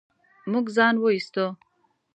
موږ ځان و ايستو.